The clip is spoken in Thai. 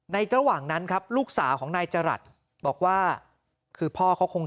ระหว่างนั้นครับลูกสาวของนายจรัสบอกว่าคือพ่อเขาคง